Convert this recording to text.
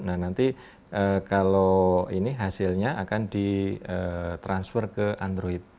nah nanti kalau ini hasilnya akan ditransfer ke android